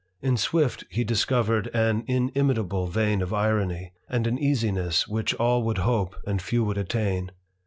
In Swift he discovered an inimitable vein of irony, and an easiness which all would hope and few would attain.